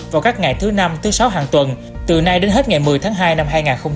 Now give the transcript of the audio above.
vào các ngày thứ năm thứ sáu hàng tuần từ nay đến hết ngày một mươi tháng hai năm hai nghìn hai mươi